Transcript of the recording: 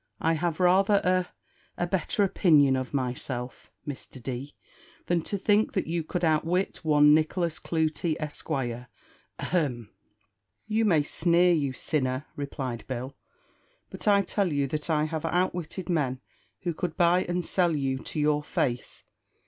I have rather a a better opinion of myself, Mr. D., than to think that you could outwit one Nicholas Clutie, Esq. ahem!" "You may sneer, you sinner," replied Bill; "but I tell you that I have outwitted men who could buy and sell you to your face.